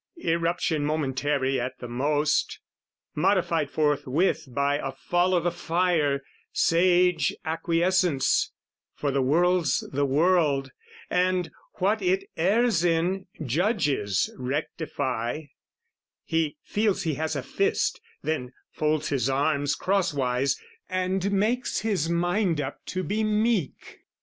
Eruption momentary at the most, Modified forthwith by a fall o'the fire, Sage acquiescence; for the world's the world, And, what it errs in, Judges rectify: He feels he has a fist, then folds his arms Crosswise and makes his mind up to be meek.